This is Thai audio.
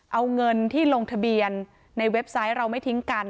เอาเงินที่ลงทะเบียนในเว็บไซต์เราไม่ทิ้งกัน